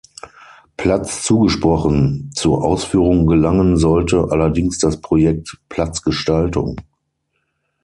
Platz zugesprochen, zur Ausführung gelangen sollte allerdings das Projekt „Platzgestaltung“.